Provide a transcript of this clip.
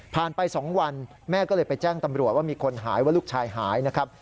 ไป๒วันแม่ก็เลยไปแจ้งตำรวจว่ามีคนหายว่าลูกชายหายนะครับ